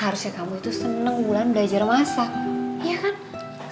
harusnya kamu itu seneng bulan belajar masak